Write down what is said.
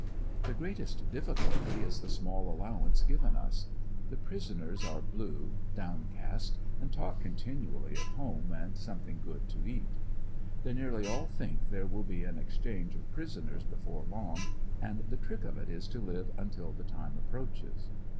The greatest difficulty is the small allowance given us. The prisoners ANDERSONVILLE DIABT, 13 are blue, downcast and talk continually of home and something good to eat. They nearly all think there will be an exchange of prisoners before long and the trick of it is to live until the time approaches.